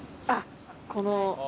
あっこの。